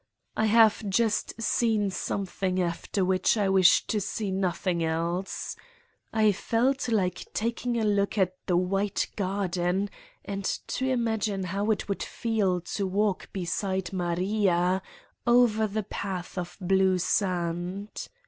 I have just seen something after which I wish to see nothing else. I felt like taking a look at the white garden and to imagine how it would feel to walk beside Maria over the path of blue sand.